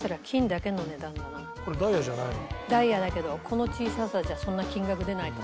これダイヤじゃないの？